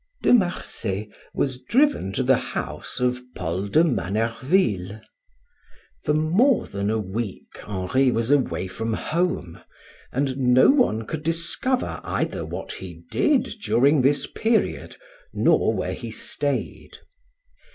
De Marsay was driven to the house of Paul de Manerville. For more than a week Henri was away from home, and no one could discover either what he did during this period, nor where he stayed.